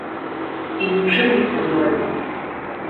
І ні ў чым не сумнявайся.